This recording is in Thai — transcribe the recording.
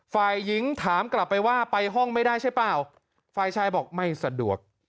ฝ่ายหญิงถามกลับไปว่าไปห้องไม่ได้ใช่เปล่าฝ่ายชายบอกไม่สะดวก